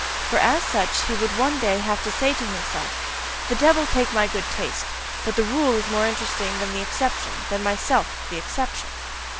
For as such, he would one day have to say to himself: "The devil take my good taste! but 'the rule' is more interesting than the exception than myself, the exception!"